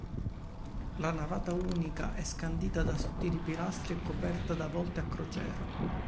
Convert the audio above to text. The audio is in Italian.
La navata unica è scandita da sottili pilastri e coperta da volte a crociera.